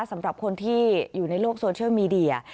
สำหรับคนที่อยู่ในโลกโซเชียลมีเดีย